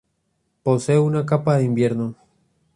Posee una capa de invierno.